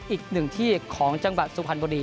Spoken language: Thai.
อีกหนึ่งที่ของจังหวัดสุพรรณบุรี